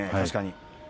確かに。